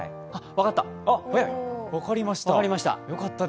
分かった、分かりました。